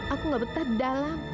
aku gak betah dalam